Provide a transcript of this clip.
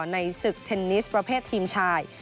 ในศึกเทนนิสประเภททีมชาย